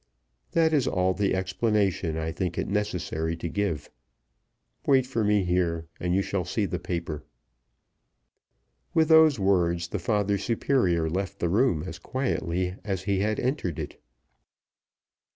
That is all the explanation I think it necessary to give. Wait for me here, and you shall see the paper." With those words the father superior left the room as quietly as he had entered it.